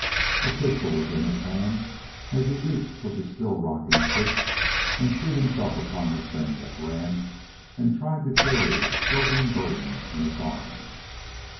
A pistol was in his hand as he leaped from the still rocking ship and threw himself upon the thing that ran and tried to carry a struggling burden in its arms.